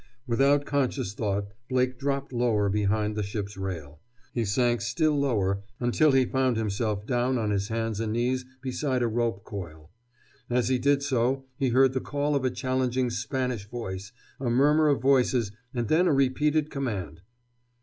Without conscious thought Blake dropped lower behind the ship's rail. He sank still lower, until he found himself down on his hands and knees beside a rope coil. As he did so he heard the call of a challenging Spanish voice, a murmur of voices, and then a repeated command.